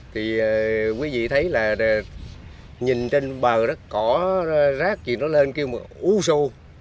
thì quý vị thấy là nhìn trên bờ đó có rác gì nó lên kêu mà u sô